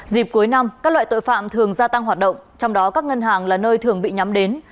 dịp cuối năm các loại tội phạm thường gia tăng hoạt động trong đó các ngân hàng là nơi thường bị nhắm đến